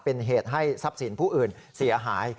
เป็นเหตุให้ทรัพย์สินผู้อื่นเสียหาย